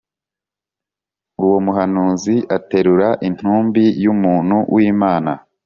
Uwo muhanuzi aterura intumbi y’umuntu w’Imana